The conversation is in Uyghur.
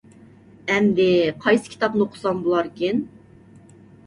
ئەمدى قايسى كىتابنى ئوقۇسام بولاركىن؟